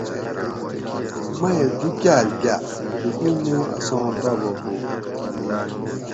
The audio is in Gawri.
میہ دو کال گاۤ تھوکو مو اساں بابہ ہو